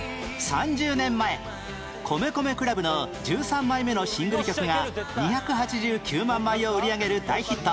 ３０年前米米 ＣＬＵＢ の１３枚目のシングル曲が２８９万枚を売り上げる大ヒット